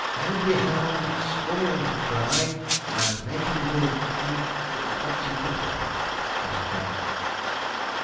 '"Every hound scoring to cry, and making the " the the what d'ye call the thing?' asked Jack.